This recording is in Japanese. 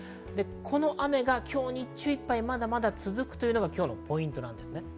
この雨が今日、日中いっぱいまだまだ続くというのが今日のポイントです。